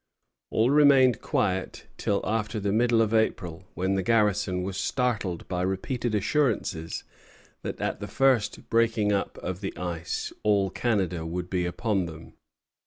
All remained quiet till after the middle of April, when the garrison was startled by repeated assurances that at the first breaking up of the ice all Canada would be upon them.